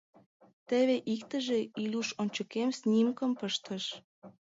Теве иктыже, — Илюш ончыкем снимкым пыштыш.